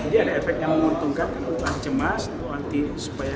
dia ada efek yang menguntungkan kemampuan cemas supaya insomnia hilang